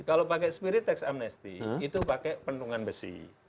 kalau pakai spirit tax amnesty itu pakai penungan besi